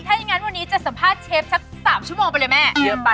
ถ้าอย่างนั้นวันนี้จะสัมภาษณ์เชฟสัก๓ชั่วโมงไปเลยแม่เยอะไป